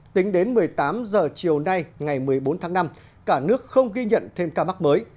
tính đến một mươi tám h chiều nay ngày một mươi bốn tháng năm cả nước không ghi nhận thêm ca mắc mới